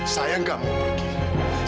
saya enggak mau pergi